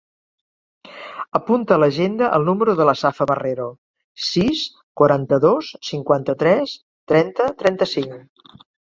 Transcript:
Apunta a l'agenda el número de la Safa Barrero: sis, quaranta-dos, cinquanta-tres, trenta, trenta-cinc.